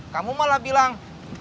kamu malah bilang